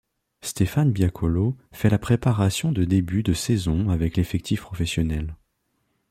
Stéphane Biakolo fait la préparation de début de saison avec l'effectif professionnel.